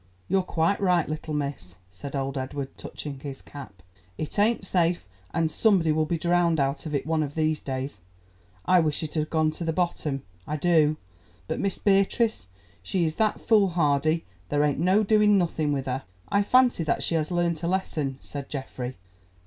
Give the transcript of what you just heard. "You're quite right, little miss," said old Edward, touching his cap. "It ain't safe, and somebody will be drowned out of it one of these days. I wish it had gone to the bottom, I do; but Miss Beatrice, she is that foolhardy there ain't no doing nothing with her." "I fancy that she has learnt a lesson," said Geoffrey.